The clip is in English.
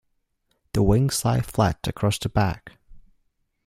The wings lie flat across the back.